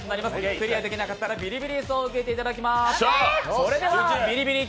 クリアできなかったら、ビリビリ椅子を受けていただきます。